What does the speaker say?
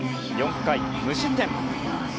４回無失点。